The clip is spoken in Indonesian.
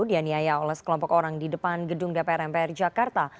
dianiaya oleh sekelompok orang di depan gedung dpr mpr jakarta